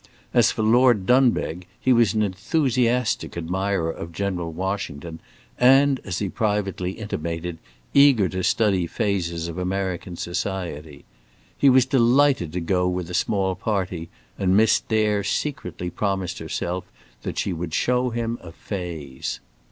As for Lord Dunbeg, he was an enthusiastic admirer of General Washington, and, as he privately intimated, eager to study phases of American society. He was delighted to go with a small party, and Miss Dare secretly promised herself that she would show him a phase.